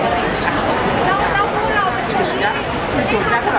ไม่ได้เจอในคุณหรอก